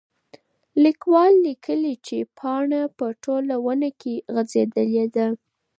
لیکوال لیکلي چې پاڼه په ټوله ونه کې غځېدلې ده.